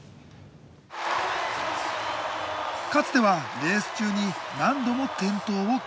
かつてはレース中に何度も転倒を経験。